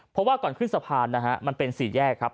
เพราะว่าก่อนขึ้นสะพานนะฮะมันเป็นสี่แยกครับ